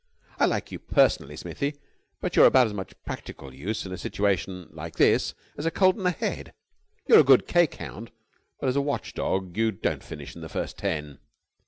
I like you personally, Smithy, but you're about as much practical use in a situation like this as a cold in the head. You're a good cake hound, but as a watch dog you don't finish in the first ten."